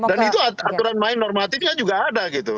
dan itu aturan main normatifnya juga ada gitu